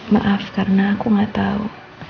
maaf karena aku gak tau